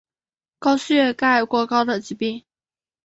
高血钙过高的疾病。